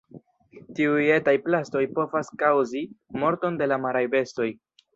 Tiuj etaj plastoj povas kaŭzi morton de la maraj bestoj.